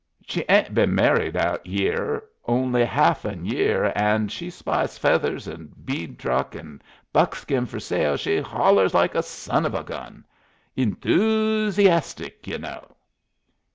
Sh' 'ain't been merried out yere only haff'n year, 'n' when she spies feathers 'n' bead truck 'n' buckskin fer sale sh' hollers like a son of a gun. Enthoosiastic, ye know."